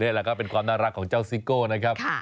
นี่แหละก็เป็นความน่ารักของเจ้าซิโก้นะครับ